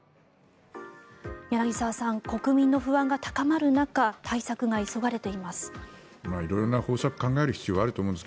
柳澤さん国民の不安が高まる中対策が急がれています。